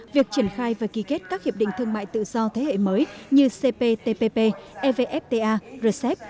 việc triển khai và ký kết các hiệp định thương mại tự do thế hệ mới như cptpp evfta rcep